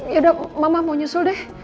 yaudah mama mau nyusul deh